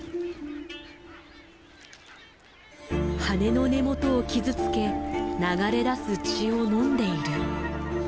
羽の根元を傷つけ流れ出す血を飲んでいる。